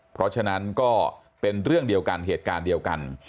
เพราะฉะนั้นก็เป็นเรื่องเดียวกันเหตุการณ์เดียวกัน